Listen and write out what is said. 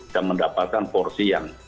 dan mendapatkan porsi yang